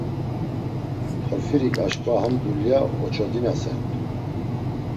Porfirik aşǩva ham dulya oçodinasert̆u.